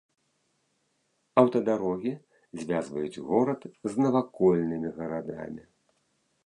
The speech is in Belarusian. Аўтадарогі звязваюць горад з навакольнымі гарадамі.